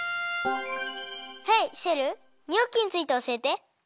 ヘイシェルニョッキについておしえて。